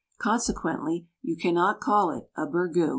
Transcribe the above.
Consequently you cannot call it a burgoo.